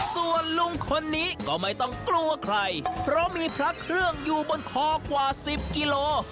ส่วนลุงคนนี้ก็ไม่ต้องกลัวใครเพราะมีพระเครื่องอยู่บนคอกว่า๑๐กิโล